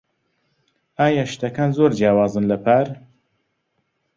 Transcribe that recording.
ئایا شتەکان زۆر جیاوازن لە پار؟